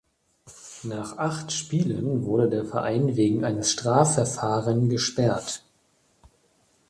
Nach acht Spielen wurde der Verein wegen eines Strafverfahren gesperrt.